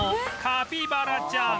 「カピバラちゃん！」